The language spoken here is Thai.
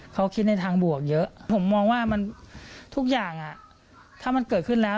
เขาคิดในทางบวกเยอะผมมองว่ามันทุกอย่างถ้ามันเกิดขึ้นแล้ว